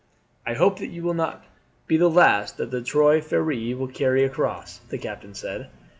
"I hope that you will not be the last that the Trois Freres will carry across," the captain said.